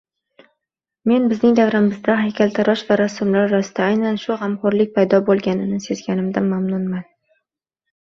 Men bizning davramizda, haykaltarosh va rassomlar orasida ana shu gʻamxoʻrlik paydo boʻlganini sezganimdan mamnunman.